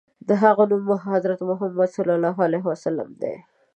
د هغه نوم حضرت محمد ص دی.